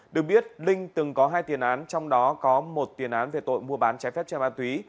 được biết linh từng có hai tiền án trong đó có một tiền án về tội mua bán trái phép trên ma túy